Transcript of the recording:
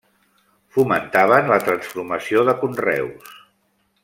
Fomentaven la transformació de conreus.